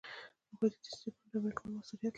هغوی ددې سیسټمونو د عملي کولو مسؤلیت لري.